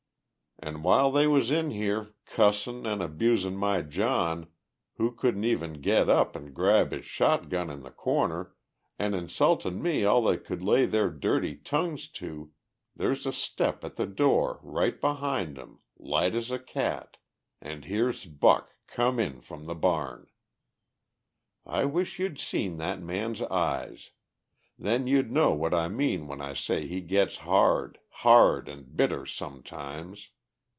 An' while they was in here, cussing an' abusing my John, who couldn't even get up an' grab his shotgun in the corner, an' insulting me all they could lay their dirty tongues to, there's a step at the door right behind 'em, light as a cat, an' here's Buck come in from the barn. "I wish you'd seen that man's eyes! Then you'd know what I mean when I say he gets hard, hard an' bitter sometimes.